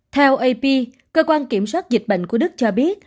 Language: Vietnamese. theo ap cơ quan kiểm soát dịch bệnh của đức cho biết